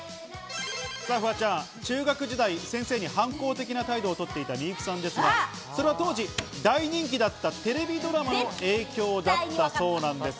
フワちゃん、中学時代、先生に反抗的な態度を取っていた幸さんですが、それは当時、大人気だったテレビドラマの影響だったそうなんです。